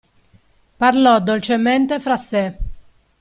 Parlò dolcemente fra sè.